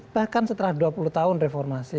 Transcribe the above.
bahkan setelah dua puluh tahun reformasi